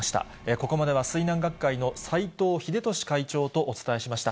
ここまでは水難学会の斎藤秀俊会長とお伝えしました。